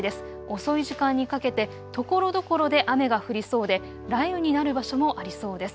遅い時間にかけてところどころで雨が降りそうで雷雨になる場所もありそうです。